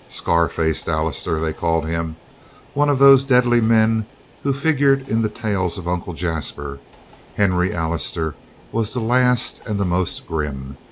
Scar faced Allister, they called him. Of those deadly men who figured in the tales of Uncle Jasper, Henry Allister was the last and the most grim.